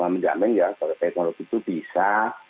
menjamin ya teknologi itu bisa